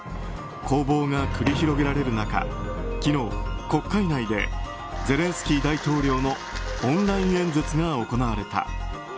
攻防が繰り広げられる中昨日、国会内でゼレンスキー大統領のオンライン演説が行われた。